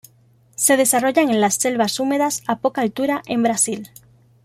Se desarrollan en las selvas húmedas a poca altura en Brasil.